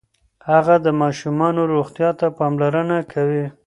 هغه د ماشومانو روغتیا ته پاملرنه کوي.